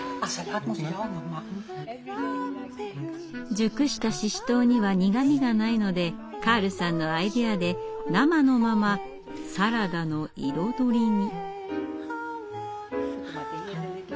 熟したシシトウには苦みがないのでカールさんのアイデアで生のままサラダの彩りに。